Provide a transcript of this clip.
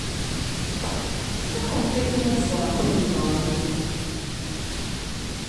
Ṭixremt akkin ad ẓreɣ tin yebɣa wul-iw!